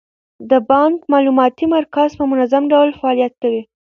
د بانک معلوماتي مرکز په منظم ډول فعالیت کوي.